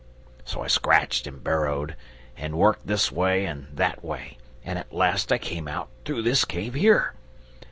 So I scratched and burrowed, and worked this way and that way and at last I came out through this cave here.